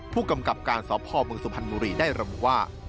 ผู้กำกับการสอบพ่อเมืองสมพันธ์มุรีได้รัมว่า